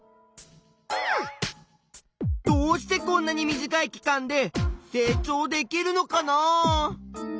どうしてこんなに短い期間で成長できるのかなあ。